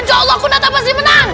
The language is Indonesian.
insyaallah ku nantai emsi menang